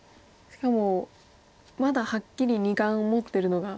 しかもまだはっきり２眼を持ってるのが。